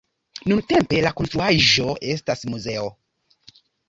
Nuntempe la konstruaĵo estas muzeo.